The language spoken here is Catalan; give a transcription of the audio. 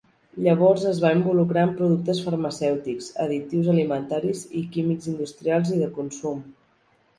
Llavors es va involucrar en productes farmacèutics, additius alimentaris i químics industrials i de consum.